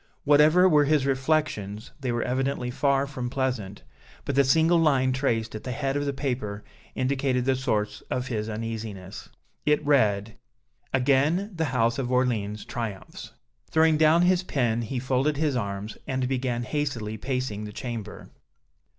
Whatever were his reflections, they were evidently far from pleasant; but the single line traced at the head of the paper indicated the source of his uneasiness. It read: "Again the House of Orléans triumphs!" Throwing down his pen, he folded his arms, and began hastily pacing the chamber.